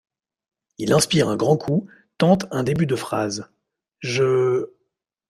Il inspire un grand coup, tente un début de phrase :« Je. ..